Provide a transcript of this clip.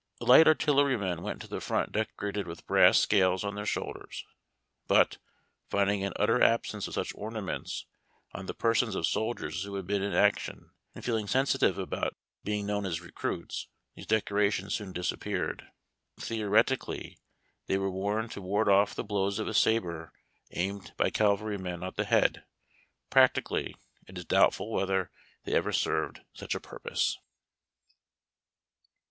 Light artillerymen went to the front decorated with brass scales on their shoulders, but, finding an utter absence of such ornaments on the persons of soldiers who had been in action, and feeling sensitive about being known as recruits, these decorations soon disappeared. Theoretically, they were worn to ward off the blows of a sabre aimed by caval rymen at the head ; practically, it is doubtful whether they ever served such a purpose.